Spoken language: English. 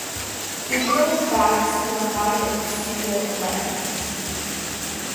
Digital backs for the high-end studio environments.